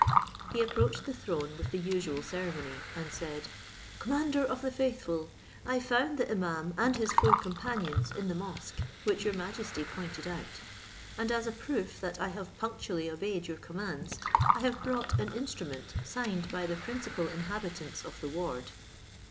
He approached the throne with the usual ceremony, and said, "Commander of the faithful, I found the imaum and his four companions in the mosque, which your majesty pointed out; and as a proof that I have punctually obeyed your commands, I have brought an instrument signed by the principal inhabitants of the ward."